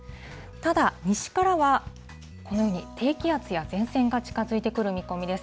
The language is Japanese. ただ、西からはこのように低気圧や前線が近づいてくる見込みです。